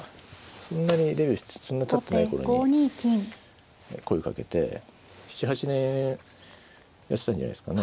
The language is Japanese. そんなにデビューしてそんなたってない頃に声かけて７８年やってたんじゃないですかね。